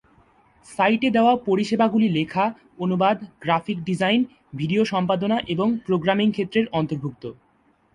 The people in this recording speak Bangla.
সাইটে দেওয়া পরিষেবাগুলি লেখা, অনুবাদ, গ্রাফিক ডিজাইন, ভিডিও সম্পাদনা এবং প্রোগ্রামিং ক্ষেত্রের অন্তর্ভুক্ত।